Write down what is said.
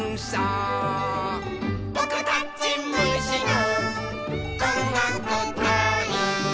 「ぼくたちむしのおんがくたい」